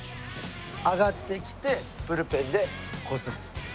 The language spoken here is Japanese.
上がってきてブルペンでこうするんです。